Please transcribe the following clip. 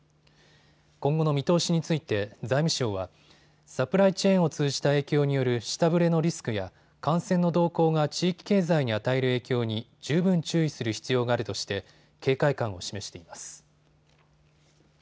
今後の見通しについて財務省はサプライチェーンを通じた影響による下振れのリスクや感染の動向が地域経済に与える影響に十分注意する必要があるとして警戒感を示しています。